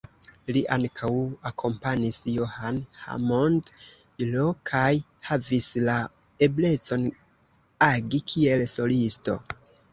Li ankaŭ akompanis John Hammond Jr kaj havis la eblecon, agi kiel solisto.